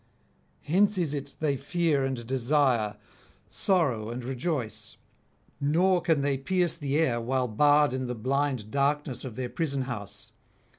Hence is it they fear and desire, sorrow and rejoice; nor can they pierce the air while barred in the blind darkness of their prison house.